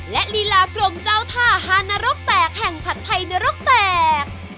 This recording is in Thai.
และลีลากรมเจ้าท่าฮานรกแตกแห่งผัดไทยนรกแตก